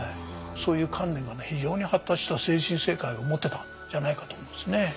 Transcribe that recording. そういう観念が非常に発達した精神世界を持ってたんじゃないかと思いますね。